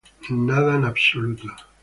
Nada en absoluto...